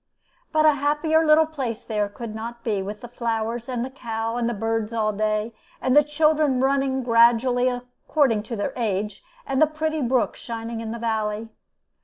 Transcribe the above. But a happier little place there could not be, with the flowers, and the cow, and the birds all day, and the children running gradually according to their age, and the pretty brook shining in the valley.